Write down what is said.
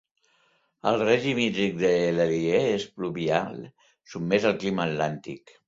El règim hídric de l'Alier és pluvial, sotmès al clima atlàntic.